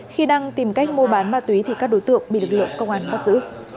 khi đang tìm cách mua bán ma túy thì các đối tượng bị lực lượng công an bắt giữ